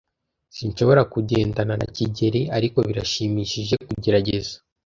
Sinshobora kugendana na kigeli, ariko birashimishije kugerageza.